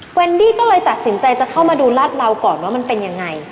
ก็เลยตัดสินใจจะเข้ามาดูราตเลียวก่อนว่ามันเป็นยังไง